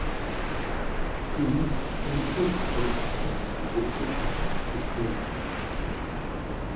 তিনি এন্ট্রিস পরীক্ষায় বৃত্তিসহ উত্তীর্ণ হন।